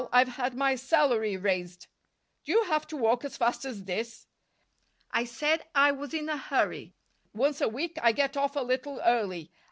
I've had my salary raised." "Do you have to walk as fast as this?" "I said I was in a hurry. Once a week I get off a little early.